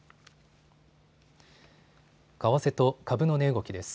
為替と株の値動きです。